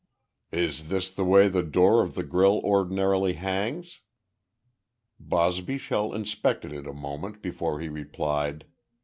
"Is this the way the door of the grille ordinarily hangs?" Bosbyshell inspected it a moment before he replied.